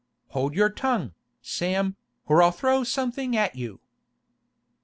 'Hold your tongue, Sam, or I'll throw something at you!